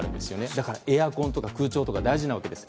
だからエアコンとか空調とか大事なわけです。